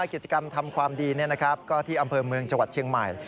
กิจกรรมทำความดีก็ที่อำเภอเมืองจังหวัดเชียงใหม่